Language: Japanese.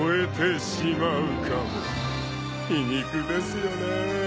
［皮肉ですよねぇ］